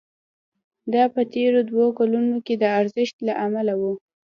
دا په تېرو دوو کلونو کې د ارزښت له امله وو